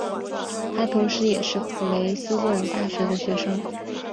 他同时也是普雷斯顿大学的学生。